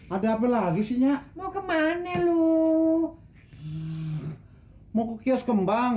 ada apa lagi sinya mau kemana lu colors know you